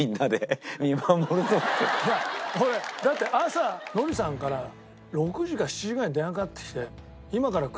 だって朝ノリさんから６時か７時ぐらいに電話かかってきて。